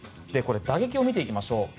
打撃を見ていきましょう。